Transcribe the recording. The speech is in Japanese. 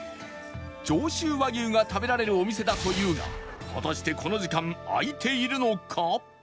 上州和牛が食べられるお店だというが果たしてこの時間開いているのか？